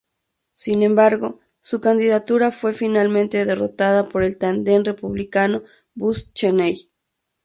Sin embargo, su candidatura fue finalmente derrotada por el tándem republicano Bush-Cheney.